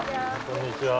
こんにちは。